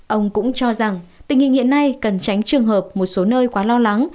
ông cũng cho rằng tình hình hiện nay cần tránh trường hợp một số nơi quá lo lắng